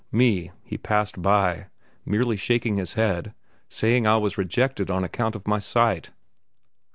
Me, he passed by, merely shaking his head, saying I was rejected on account of my sight.